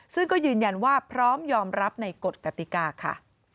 ซึ่งก็ยืนยันว่าพร้อมยอมรับในกฎกติกาค่ะ